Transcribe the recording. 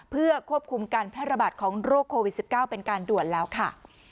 เพื่อควบคุมการแพร่ระบาดของโรคโควิด๑๙เป็นการด่วนแล้วค่ะ